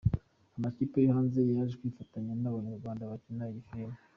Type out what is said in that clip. amakipe yo hanze yaje kwifatanya n’Abanyarwanda gukina iyi mikino.